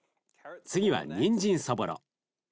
次はにんじんそぼろ。